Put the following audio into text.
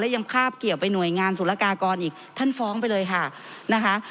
ยังคาบเกี่ยวไปหน่วยงานศุลกากรอีกท่านฟ้องไปเลยค่ะนะคะ